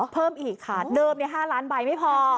เพิ่มอีกค่ะเดิม๕ล้านใบไม่พอ